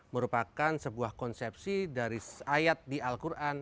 merupakan sebuah konsepsi dari ayat di al quran